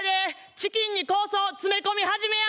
チキンに香草詰め込み始めや。